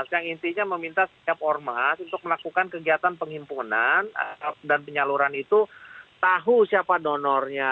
yang intinya meminta setiap ormas untuk melakukan kegiatan penghimpunan dan penyaluran itu tahu siapa donornya